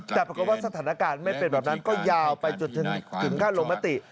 แต่พวกเขาว่าสถานการณ์ไม่เป็นแบบนั้นก็ยาวไปจุดถึงค่าโรมติ